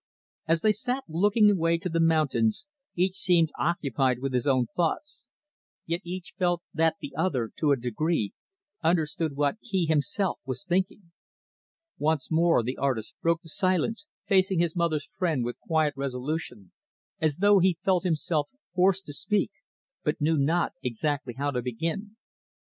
As they sat looking away to the mountains, each seemed occupied with his own thoughts. Yet each felt that the other, to a degree, understood what he, himself, was thinking. Once more, the artist broke the silence, facing his mother's friend with quiet resolution, as though he felt himself forced to speak but knew not exactly how to begin.